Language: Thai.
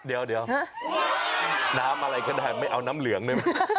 เดี๋ยวน้ำอะไรก็ได้ไม่เอาน้ำเหลืองนึง